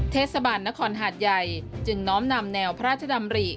เทศบาลนครหาดใหญ่จึงน้อมนำแนวพระราชดำริ